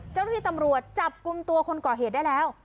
เจ้าหน้าที่ตำรวจจับกลุ่มตัวคนก่อเหตุได้แล้ว